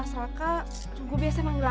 gua ngerjain dia